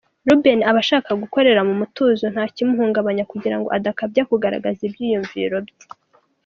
Luben aba ashaka gukorera mu mutuzo nta kimuhungabanya kugira ngo adakabya kugaragaza ibyiyumviro bye.